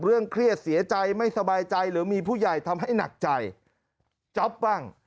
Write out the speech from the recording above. เครียดเสียใจไม่สบายใจหรือมีผู้ใหญ่ทำให้หนักใจจ๊อปบ้าง